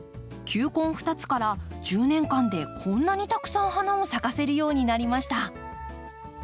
球根２つから１０年間でこんなにたくさん花を咲かせるようになりました。